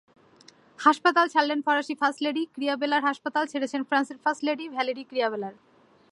হাসপাতাল ছাড়লেন ফরাসি ফার্স্ট লেডি ত্রিয়াবেলারহাসপাতাল ছেড়েছেন ফ্রান্সের ফার্স্ট লেডি ভ্যালেরি ত্রিয়াবেলার।